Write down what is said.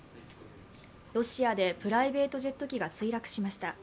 ロシアでプライベートジェット機が墜落しました。